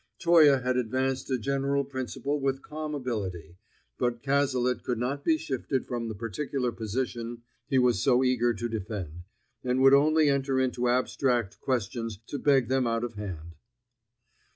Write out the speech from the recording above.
Toye had advanced a general principle with calm ability, but Cazalet could not be shifted from the particular position he was so eager to defend, and would only enter into abstract questions to beg them out of hand.